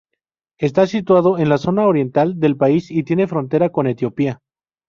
Está situado en la zona oriental del país y tiene frontera con Etiopía.